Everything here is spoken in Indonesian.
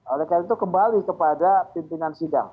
oleh karena itu kembali kepada pimpinan sidang